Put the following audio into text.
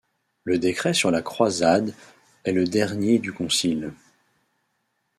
Le décret sur la croisade est le dernier du concile.